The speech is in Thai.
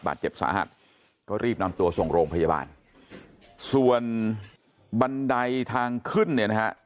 บาดเจ็บสาหัสก็รีบนำตัวส่งโรงพยาบาลส่วนบันไดทางขึ้นเนี่ยนะฮะ